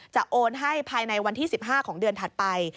โอนให้ภายในวันที่๑๕ของเดือนถัดไป